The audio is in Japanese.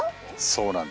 そうなんです。